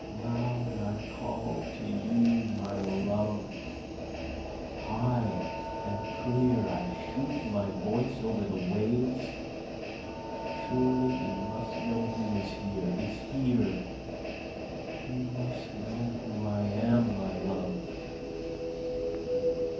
Loud I call to you, my love! High and clear I shoot my voice over the waves, Surely you must know who is here, is here, You must know who I am, my love.